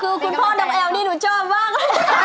คือคุณพ่อดอกแอ๋วนี่หนูชอบบ้าง